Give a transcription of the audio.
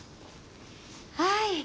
はい。